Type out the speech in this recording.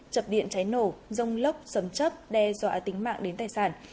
chập điện cháy nổ rông lốc sấm chấp đe dọa tính mạng đến tài sản